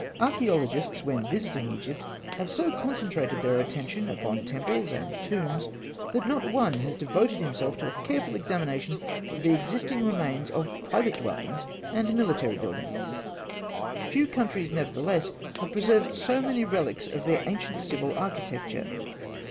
Archaeologists, when visiting Egypt, have so concentrated their attention upon temples and tombs, that not one has devoted himself to a careful examination of the existing remains of private dwellings and military buildings. Few countries, nevertheless, have preserved so many relics of their ancient civil architecture.